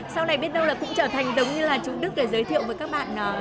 sau này biết đâu là cũng trở thành giống như là chú đức để giới thiệu với các bạn